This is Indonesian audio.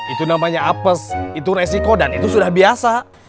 itu namanya apes itu resiko dan itu sudah biasa